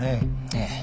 ええ。